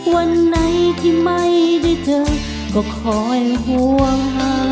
วันไหนที่ไม่ได้เจอก็คอยห่วง